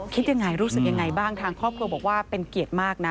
คิดยังไงรู้สึกยังไงบ้างทางครอบครัวบอกว่าเป็นเกียรติมากนะ